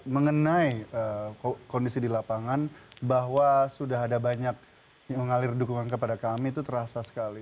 mengenai kondisi di lapangan bahwa sudah ada banyak yang mengalir dukungan kepada kami itu terasa sekali